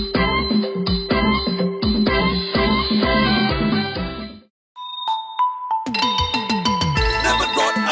สวัสดีครับสวัสดีครับ